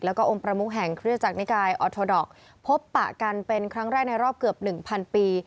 แล้วก็องค์ประมุกแห่งคริสจักรนิกายออทอดดอกพบปะกันเป็นครั้งแรกในรอบเกือบ๑๐๐ปี